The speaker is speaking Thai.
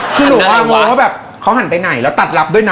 คือหนูรู้ว่าแบบเขาหันไปไหนแล้วตัดรับด้วยนะ